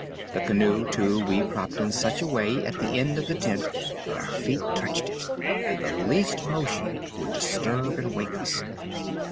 The canoe, too, we propped in such a way at the end of the tent that our feet touched it, and the least motion would disturb and wake us.